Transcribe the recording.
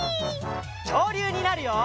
きょうりゅうになるよ！